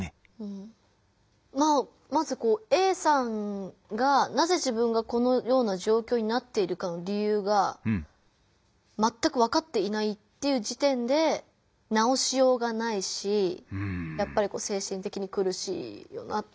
まずＡさんがなぜ自分がこのような状況になっているか理由がまったくわかっていないっていう時点で直しようがないし精神的にくるしいよなとは思います。